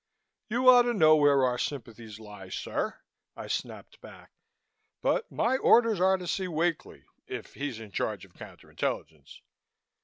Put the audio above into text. "You ought to know where our sympathies lie, sir!" I snapped back. "But my orders are to see Wakely, if he's in charge of counter intelligence."